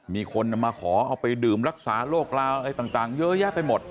มีคนมาขอเอาไปดื่มรักษาโรคราวอะไรต่างเยอะแยะไปหมด